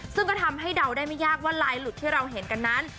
ซึ่งก็ทำให้เดาได้ไม่ยากว่าลายหลุดที่เราเห็นกันนั้น